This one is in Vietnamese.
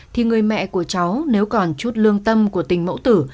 thì người mẹ của cháu nếu còn chút lương tâm của tình mẫu tử